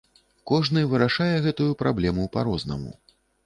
Кожны вырашае гэтую праблему па-рознаму.